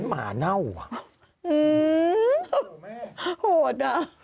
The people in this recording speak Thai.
โหดอ่ะ